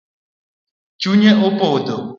Chunye opodho